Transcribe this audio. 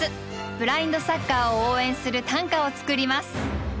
ブラインドサッカーを応援する短歌を作ります。